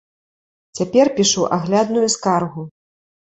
Цяпер пішу аглядную скаргу.